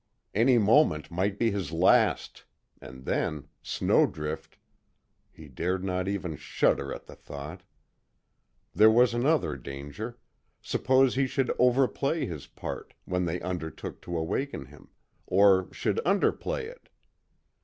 Any moment might be his last and then Snowdrift he dared not even shudder at the thought. There was another danger, suppose he should over play his part, when they undertook to awaken him, or should under play it?